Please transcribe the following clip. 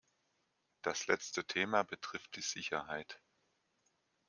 Das letzte Thema betrifft die Sicherheit.